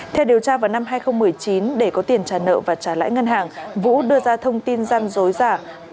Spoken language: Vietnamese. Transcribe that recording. theo điều tra vào năm hai nghìn một mươi chín để có tiền trả nợ và trả lãi ngân hàng vũ đưa ra thông tin gian dối giả